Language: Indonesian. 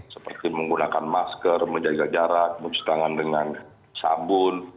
seperti menggunakan masker menjaga jarak mencuci tangan dengan sabun